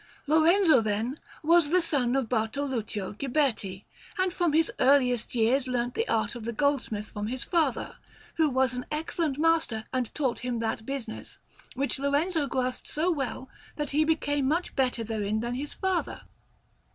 Lorenzo, then, was the son of Bartoluccio Ghiberti, and from his earliest years learnt the art of the goldsmith from his father, who was an excellent master and taught him that business, which Lorenzo grasped so well that he became much better therein than his father.